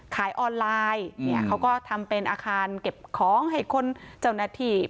ขายออนไลน์เนี่ยเขาก็ทำเป็นอาคารเก็บของให้คนเจ้าหน้าที่